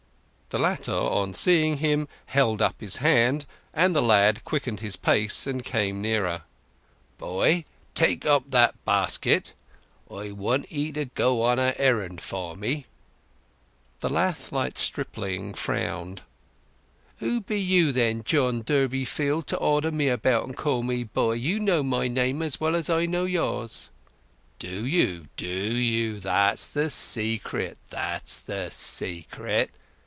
The latter, on seeing him, held up his hand, and the lad quickened his pace and came near. "Boy, take up that basket! I want 'ee to go on an errand for me." The lath like stripling frowned. "Who be you, then, John Durbeyfield, to order me about and call me 'boy'? You know my name as well as I know yours!" "Do you, do you? That's the secret—that's the secret!